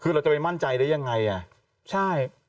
คือเราจะไปมั่นใจได้อย่างไรใช่